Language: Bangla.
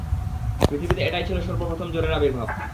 পৃথিবীতে এটাই ছিল সর্বপ্রথম জ্বরের আবির্ভাব।